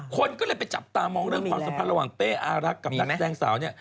คนก็เลยไปจับตามองเรื่องความสัมพันธ์ระหว่างเป้อารักษ์กับนักแสดงสาวเนี่ย